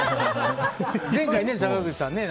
前回、坂口さん